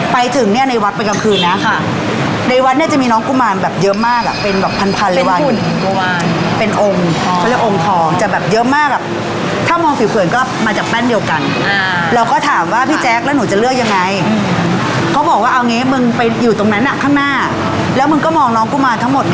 ไปถึงเนี่ยในวัดไปกลางคืนแล้วค่ะในวัดเนี่ยจะมีน้องกุมารแบบเยอะมากอ่ะเป็นแบบพันพันเลยวันเป็นองค์เขาเรียกองค์ทองจะแบบเยอะมากแบบถ้ามองผิวเขินก็มาจากแป้นเดียวกันเราก็ถามว่าพี่แจ๊คแล้วหนูจะเลือกยังไงเขาบอกว่าเอางี้มึงไปอยู่ตรงนั้นอ่ะข้างหน้าแล้วมึงก็มองน้องกุมารทั้งหมด